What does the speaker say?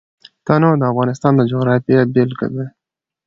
تنوع د افغانستان د جغرافیې بېلګه ده.